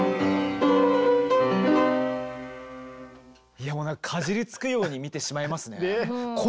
いやもうかじりつくように見てしまいますね。